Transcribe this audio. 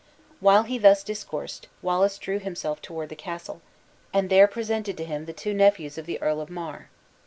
While he thus discoursed, Wallace drew him toward the castle, and there presented to him the two nephews of the Earl of May.